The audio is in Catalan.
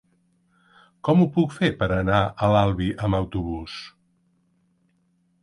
Com ho puc fer per anar a l'Albi amb autobús?